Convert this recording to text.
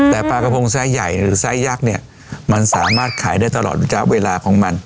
แต่ปลากระพงไส้ใหญ่หรือไซสยักษ์เนี่ยมันสามารถขายได้ตลอดระยะเวลาของมัน